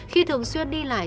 khi thường xuyên đi lại